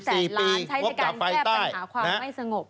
ใช้จากการแทบกันหาความไม่สงบ